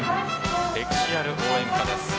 歴史ある応援歌です。